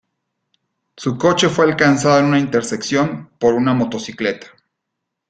Su coche fue alcanzado en una intersección por una motocicleta.